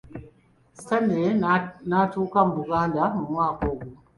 Stanley n'atuuka mu Buganda mu mwaka ogwo.